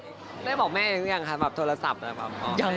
แปลบจะบอกแม่เนี่ยแล้วหรืออย่างเหมือนกับโทรศัพท์นะอิมพอม